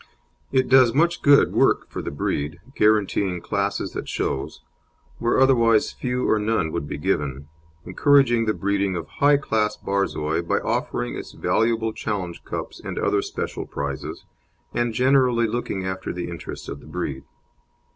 It does much good work for the breed, guaranteeing classes at shows, where otherwise few or none would be given, encouraging the breeding of high class Borzois by offering its valuable challenge cups and other special prizes, and generally looking after the interests of the breed.